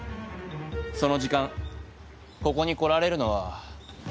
その時間ここに来られるのは。